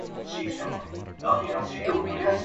The Academy also operates its own publishing house.